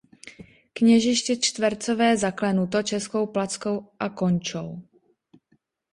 Kněžiště čtvercové zaklenuto českou plackou a konchou.